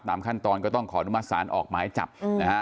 ตามขั้นตอนก็ต้องขอมาสารออกหมายจับนะฮะ